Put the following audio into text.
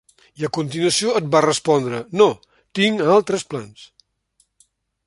I, a continuació, et va respondre: "No, tinc altres plans".